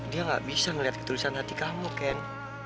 dia nggak bisa ngeliat ketulisan hati kamu ken